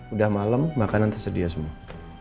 udah malam makanan tersedia semua